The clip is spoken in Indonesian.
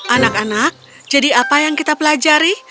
anak anak jadi apa yang kita pelajari